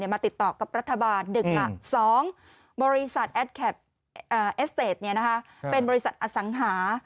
มาติดต่อกับรัฐบาลหนึ่งสองบริษัทแอสเตจเป็นบริษัทอสังหา